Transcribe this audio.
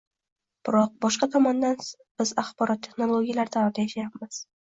biroq boshqa tomondan biz axborot texnologiyalari davrida yashayapmiz.